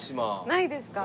ないですか？